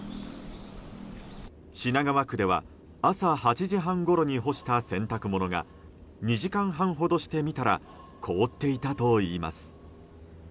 品川区では朝８時半ごろに干した洗濯物が２時間半ほどして見たら凍っていたといいます。